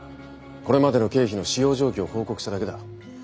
これまでの経費の使用状況を報告しただけだ。